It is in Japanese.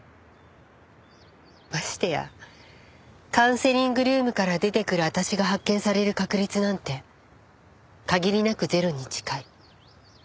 ましてやカウンセリングルームから出てくる私が発見される確率なんて限りなくゼロに近い。